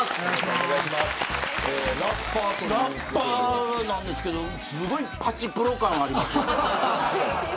ラッパーなんですけどすごいパチプロ感ありますよね。